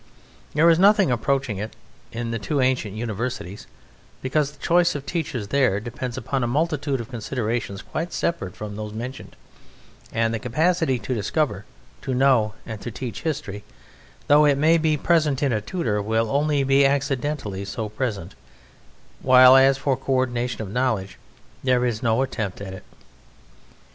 There is nothing approaching to it in the two ancient universities, because the choice of teachers there depends upon a multitude of considerations quite separate from those mentioned, and the capacity to discover, to know, and to teach history, though it may be present in a tutor, will only be accidentally so present: while as for co ordination of knowledge, there is no attempt at it.